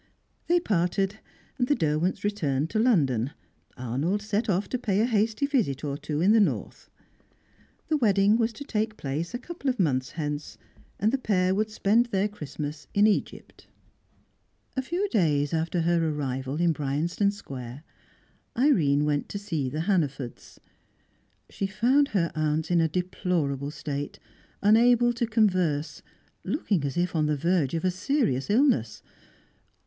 They parted. The Derwents returned to London; Arnold set off to pay a hasty visit or two in the North. The wedding was to take place a couple of months hence, and the pair would spend their Christmas in Egypt. A few days after her arrival in Bryanston Square, Irene went to see the Hannafords. She found her aunt in a deplorable state, unable to converse, looking as if on the verge of a serious illness.